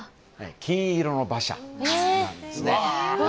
金色の馬車なんですね。